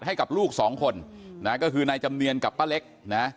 ให้กับลูกสองคนนะก็คือนายจำเนียนกับป้าเล็กนะ